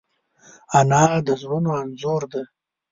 انا د زړونو انځور ده